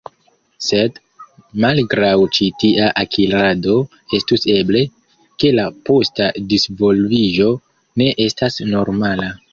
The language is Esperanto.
Sed, malgraŭ ĉi tia akirado, estus eble, ke la posta disvolviĝo ne estas normala.